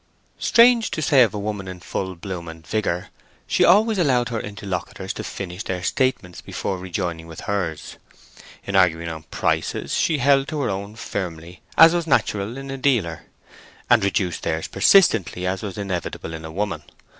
Strange to say of a woman in full bloom and vigor, she always allowed her interlocutors to finish their statements before rejoining with hers. In arguing on prices, she held to her own firmly, as was natural in a dealer, and reduced theirs persistently, as was inevitable in a woman.